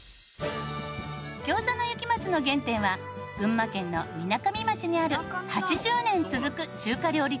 餃子の雪松の原点は群馬県のみなかみ町にある８０年続く中華料理店雪松。